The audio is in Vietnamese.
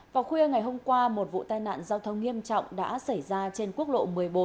vào khuya ngày hôm qua một vụ tai nạn giao thông nghiêm trọng đã xảy ra trên quốc lộ một mươi bốn